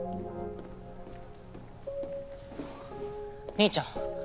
兄ちゃん。